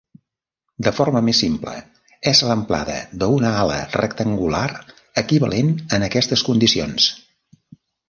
De forma més simple, és l'amplada d'una ala rectangular equivalent en aquestes condicions.